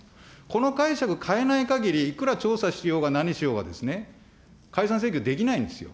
この解釈変えないかぎり、いくら調査しようが、何しようがですね、解散請求できないんですよ。